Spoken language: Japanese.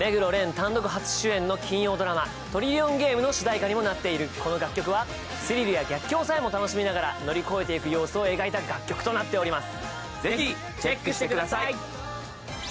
単独初主演の金曜ドラマ「トリリオンゲーム」の主題歌にもなっているこの楽曲は、スリルや逆境さえも楽しみながら乗り越えていく楽曲となっています。